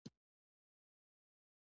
وفاداري او صداقت د اړیکو د پایښت لامل دی.